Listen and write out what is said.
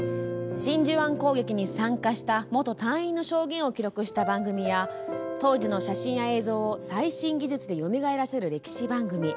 真珠湾攻撃に参加した元隊員の証言を記録した番組や当時の写真や映像を最新技術でよみがえらせる歴史番組。